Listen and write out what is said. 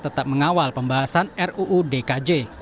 tetap mengawal pembahasan ruu dkj